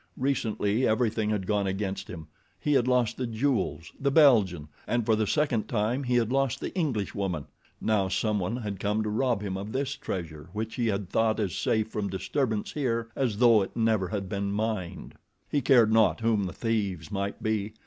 Recently everything had gone against him. He had lost the jewels, the Belgian, and for the second time he had lost the Englishwoman. Now some one had come to rob him of this treasure which he had thought as safe from disturbance here as though it never had been mined. He cared not whom the thieves might be.